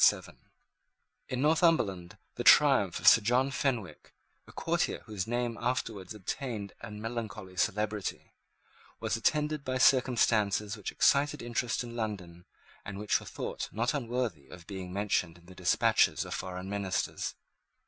In Northumberland the triumph of Sir John Fenwick, a courtier whose name afterwards obtained a melancholy celebrity, was attended by circumstances which excited interest in London, and which were thought not unworthy of being mentioned in the despatches of foreign ministers.